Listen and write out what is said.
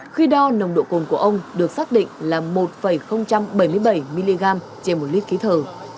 khi đo nồng độ cồn của ông được xác định là một bảy mươi bảy mg trên một lít khí thở